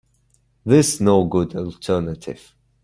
This no good alternative.